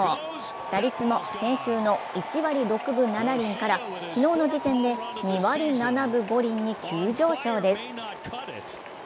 打率も先週の１割６分７厘から昨日の時点で２割７分５厘に急上昇です。